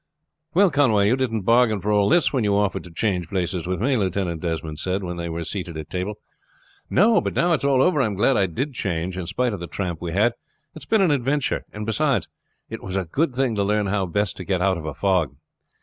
"Well, Conway, you didn't bargain for all this when you offered to change places with me," Lieutenant Desmond said when they were seated at table. "No; but now it's all over I am glad I did change, in spite of the tramp we had. It has been an adventure, and beside, it was a good thing to learn how best to get out of a fog."